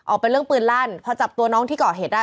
เป็นเรื่องปืนลั่นพอจับตัวน้องที่ก่อเหตุได้